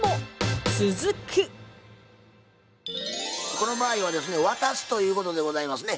この場合はですね渡すということでございますね。